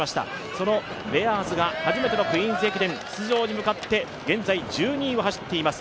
そのベアーズが初めてのクイーンズ駅伝出場に向かって現在１２位を走っています。